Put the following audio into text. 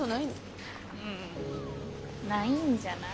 うんないんじゃない？